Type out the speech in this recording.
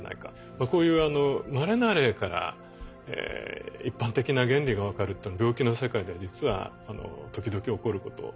こういうまれな例から一般的な原理が分かるっていうのも病気の世界では実は時々起こることですね。